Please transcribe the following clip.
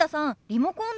リモコン